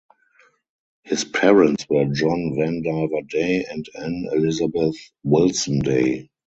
His parents were John Vandiver Day and Anne Elizabeth (Wilson) Day.